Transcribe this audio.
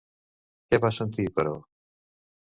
Què va sentir, però?